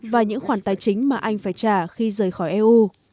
và những khoản tài chính mà anh phải trả khi rời khỏi eu